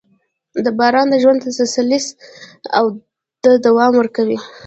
• باران د ژوند تسلسل ته دوام ورکوي.